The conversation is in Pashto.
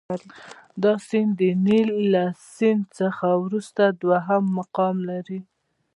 دا سیند د نیل له سیند څخه وروسته دوهم مقام لري.